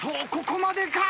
ここまでか！？